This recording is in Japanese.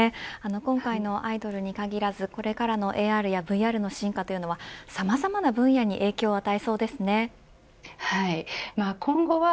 今回のアイドルに限らずこれからのＡＲやＶＲの進化というのはさまざまな分野にはい、今後は